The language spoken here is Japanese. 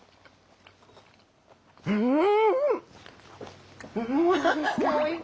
うん！